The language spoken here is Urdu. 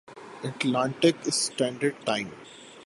Atlantic standard time